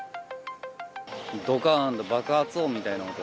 どかーんと爆発音みたいな音。